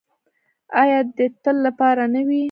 آیا د تل لپاره نه وي؟